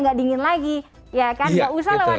nggak dingin lagi ya kan nggak usah lewat